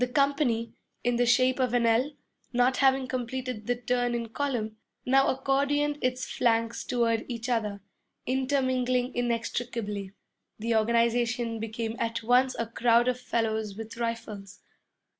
The company, in the shape of an L, not having completed the turn in column, now accordioned its flanks toward each other, intermingling inextricably. The organization became at once a crowd of fellows with rifles.